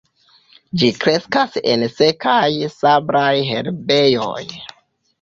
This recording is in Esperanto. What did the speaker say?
Ĝi kreskas en sekaj sablaj herbejoj.